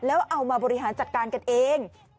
แล้วเอามาบริหารจัดการกันเอง